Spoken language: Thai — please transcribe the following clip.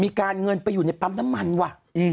มีการเงินไปอยู่ในปั๊มน้ำมันว่ะ